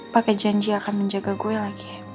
pakai janji akan menjaga gue lagi